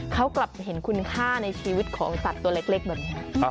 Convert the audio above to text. เขากลับเห็นคุณค่าในชีวิตของสัตว์ตัวเล็กแบบนี้